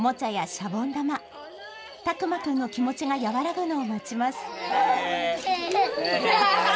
シャボン玉、巧眞くんの気持ちが和らぐのを待ちます。